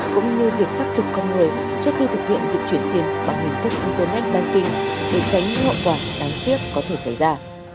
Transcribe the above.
cũng như việc xác thực con người trước khi thực hiện việc chuyển tiền bằng hình thức internet banking để tránh những hậu quả đáng tiếc có thể xảy ra